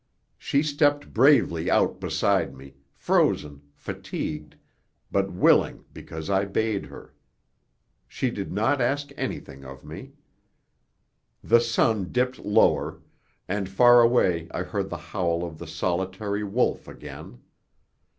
She stepped bravely out beside me, frozen, fatigued, but willing because I bade her. She did not ask anything of me. The sun dipped lower, and far away I heard the howl of the solitary wolf again.